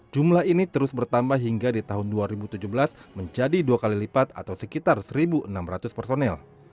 jumlah ini terus bertambah hingga di tahun dua ribu tujuh belas menjadi dua kali lipat atau sekitar satu enam ratus personel